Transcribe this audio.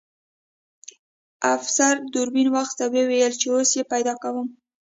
افسر دوربین واخیست او ویې ویل چې اوس یې پیدا کوم